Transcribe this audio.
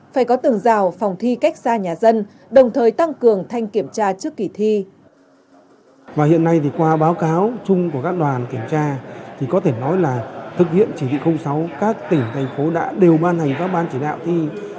phải có tường rào phòng thi cách xa nhà dân đồng thời tăng cường thanh kiểm tra trước kỳ thi